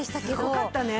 すごかったね！